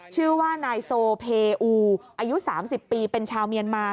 ชื่อว่านายโซเพอูอายุ๓๐ปีเป็นชาวเมียนมา